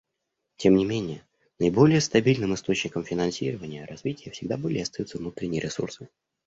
Тем не менее наиболее стабильным источником финансирования развития всегда были и остаются внутренние ресурсы.